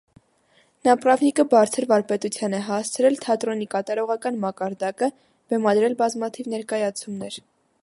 Նապրավնիկը բարձր վարպետության է հասցրել թատրոնի կատարողական մակարդակը, բեմադրել բազմաթիվ ներկայացումներ։